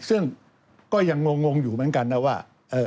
ซึ่งก็ยังงงอยู่เหมือนกันนะว่า